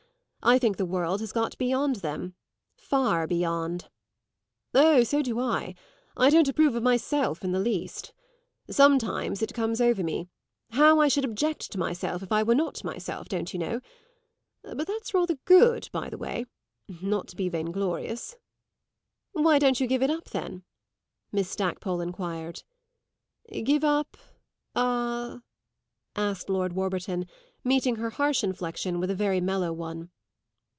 I think the world has got beyond them far beyond." "Oh, so do I. I don't approve of myself in the least. Sometimes it comes over me how I should object to myself if I were not myself, don't you know? But that's rather good, by the way not to be vainglorious." "Why don't you give it up then?" Miss Stackpole enquired. "Give up a ?" asked Lord Warburton, meeting her harsh inflexion with a very mellow one.